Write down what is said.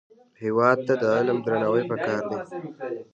هېواد ته د علم درناوی پکار دی